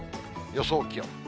予想気温。